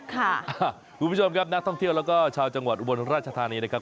คุณผู้ชมครับนักท่องเที่ยวแล้วก็ชาวจังหวัดอุบลราชธานีนะครับ